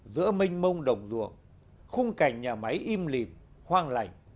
giữa mênh mông đồng ruộng khung cảnh nhà máy im lìm hoang lành